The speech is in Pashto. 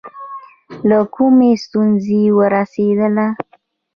له کومې ستونزې ورسېدله.